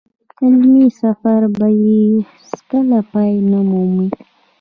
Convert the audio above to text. علمي سفر به يې هېڅ کله پای نه مومي.